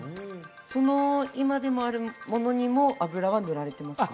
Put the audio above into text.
その今でもあるものにも油は塗られてますか？